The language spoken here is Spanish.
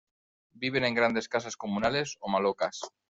Viven en grandes casas comunales o malocas.